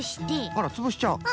あらつぶしちゃう？